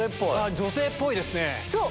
女性っぽいですね。